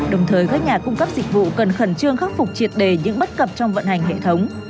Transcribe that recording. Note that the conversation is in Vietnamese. đồng thời các nhà cung cấp dịch vụ cần khẩn trương khắc phục triệt đề những bất cập trong vận hành hệ thống